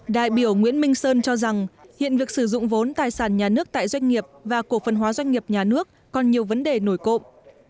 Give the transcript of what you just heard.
đại biểu nguyễn minh sơn cho rằng hiện việc sử dụng vốn tài sản nhà nước tại doanh nghiệp và cổ phần hóa doanh nghiệp nhà nước còn nhiều vấn đề nổi cộm